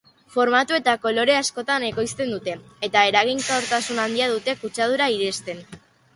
Formatu eta kolore askotan ekoizten dute, eta eraginkortasun handia dute kutsadura irensten.